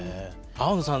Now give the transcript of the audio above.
青野さん